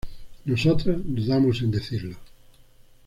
nosotras dudamos en decirlo